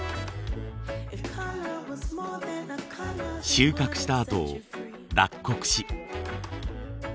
収穫したあと脱穀し。